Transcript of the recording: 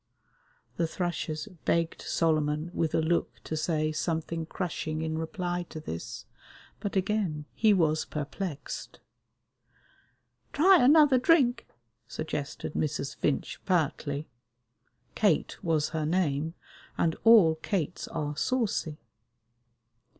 The thrushes begged Solomon with a look to say something crushing in reply to this, but again he was perplexed. "Try another drink," suggested Mrs. Finch pertly. Kate was her name, and all Kates are saucy.